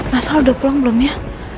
masalah udah pulang belum ya